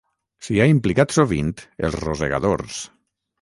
S'hi ha implicat sovint els rosegadors.